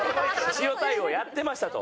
塩対応やってましたと。